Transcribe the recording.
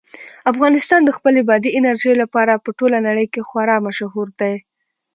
افغانستان د خپلې بادي انرژي لپاره په ټوله نړۍ کې خورا مشهور دی.